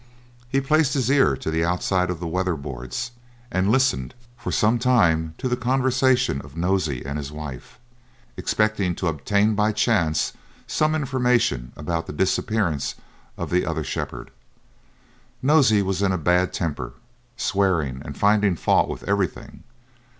He placed his ear to the outside of the weatherboards, and listened for some time to the conversation of Nosey and his wife, expecting to obtain by chance some information about the disappearance of the other shepherd. Nosey was in a bad temper, swearing and finding fault with everything.